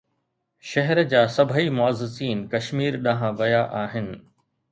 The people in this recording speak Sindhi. شهر جا سڀئي معززين ڪشمير ڏانهن ويا آهن